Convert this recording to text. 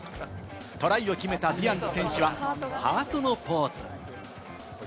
トライを決めたディアンズ選手がハートのポーズ。